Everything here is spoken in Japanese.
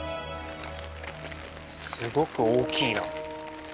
すごく大きいな。